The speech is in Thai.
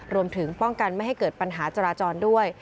รวมถึงป้องกันไม่ให้เกิดปัญหาจราจรด้วย